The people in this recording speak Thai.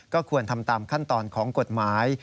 ก็ควรทำตามขั้นตอนของกฎหมาย